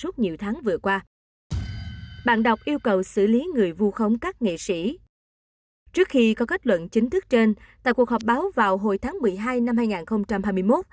trước khi có kết luận chính thức trên tại cuộc họp báo vào hồi tháng một mươi hai năm hai nghìn hai mươi một